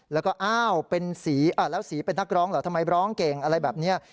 แล้วก็อ้าวเป็นสีแล้วสีเป็นนักร้องเหรอทำไมร้องเก่งอะไรแบบนี้